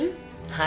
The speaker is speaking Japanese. はい。